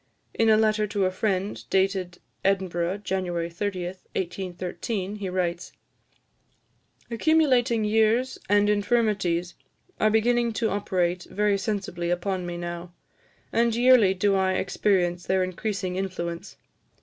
In a letter to a friend, dated Edinburgh, January 30, 1813, he writes: "Accumulating years and infirmities are beginning to operate very sensibly upon me now, and yearly do I experience their increasing influence.